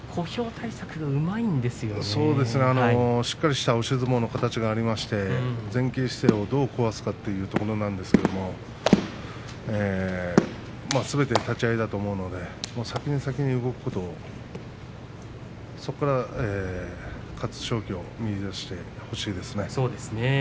しっかりした押し相撲の形がありまして前傾姿勢をどう崩すかというところなんですけれどもすべては立ち合いだと思うので先に先に動くことそこから勝機を見いだしてほしいですね。